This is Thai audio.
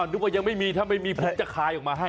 ดูว่ายังไม่มีท่าไม่มีครบจะคายออกมาให้